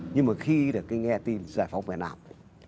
nhưng mà khi được nghe tin giải phóng về nào